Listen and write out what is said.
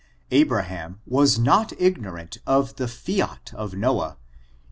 Abraham was not ignorant of the fiat of Noah| in.